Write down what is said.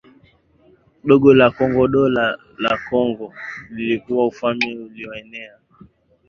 Dola la Kongo Dola la Kongo lilikuwa ufalme ulioenea